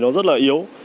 nó rất là yếu